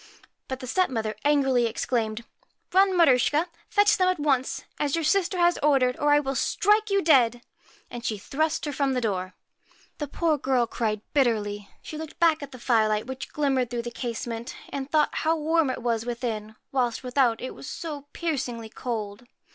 But the stepmother angrily exclaimed :' Run, Maruschka, fetch them at once, as your sister has ordered, or I will strike you dead ;' and she thrust her from the door. The poor girl cried bitterly ; she looked back at the firelight which glimmered through the case ment, and thought how warm it was within, whilst without it was so piercingly cold.